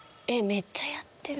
めっちゃやってる。